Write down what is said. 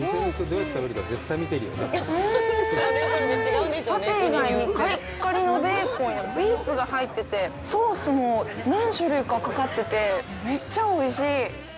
うん、パテ以外に、カリッカリのベーコンやビーツが入ってて、ソースも何種類か、かかってて、めっちゃおいしい！